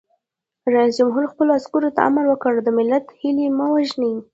رئیس جمهور خپلو عسکرو ته امر وکړ؛ د ملت هیلې مه وژنئ!